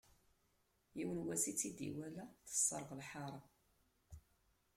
Yiwen wass i tt-id-iwala, tesserɣ lḥaṛa.